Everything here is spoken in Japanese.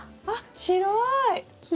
あっ白い！